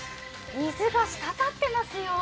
水がしたたってますよ。